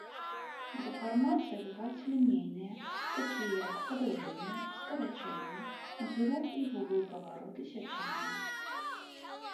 Дэфармацыі бываюць лінейныя, такія як падаўжэнне, скарачэнне, зрух і вуглы павароту сячэнняў.